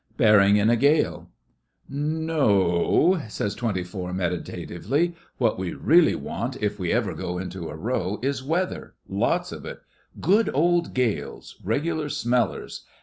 'BEARING' IN A GALE 'No o,' says Twenty Four, meditatively. 'What we really want if we ever go into a row is weather—lots of it. Good old gales—regular smellers.